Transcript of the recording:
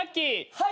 はい。